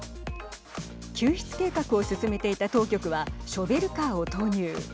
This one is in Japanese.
救出計画を進めていた当局はショベルカーを投入。